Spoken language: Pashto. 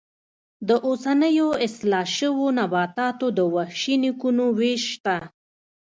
د اوسنیو اصلاح شویو نباتاتو د وحشي نیکونو وېش شته.